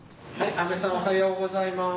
あべさんおはようございます。